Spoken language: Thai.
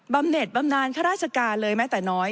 ำเน็ตบำนานข้าราชการเลยแม้แต่น้อย